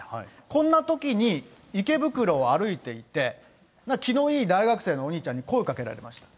こんなときに、池袋を歩いていて、気のいい大学生のお兄ちゃんに声をかけられました。